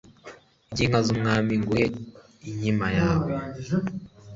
by'inka z'umwami nguhe inkima yawe